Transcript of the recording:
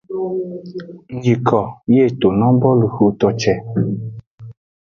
Ngyiko yi eto no boluxoto ce.